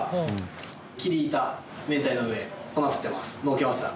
のっけました。